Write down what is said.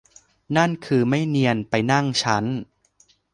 นั่นคือไม่เนียนไปนั่งชั้น